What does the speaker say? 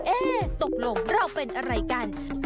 ตกลงเราเป็นอะไรกัน